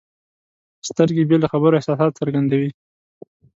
سترګې بې له خبرو احساسات څرګندوي.